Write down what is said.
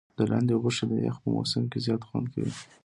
د لاندي غوښي د یخ په موسم کي زیات خوند لري.